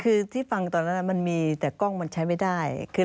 คือที่ฟังตอนนั้นมันมีแต่กล้องมันใช้ไม่ได้